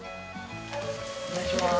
お願いします。